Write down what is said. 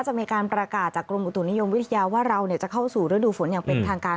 จะมีการประกาศจากกรมอุตุนิยมวิทยาว่าเราจะเข้าสู่ฤดูฝนอย่างเป็นทางการ